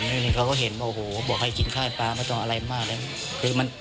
นี่นี่เขาก็เห็นว่าโหบอกให้กินข้าวให้ป๊าไม่ต้องอะไรมากเลยคือมัน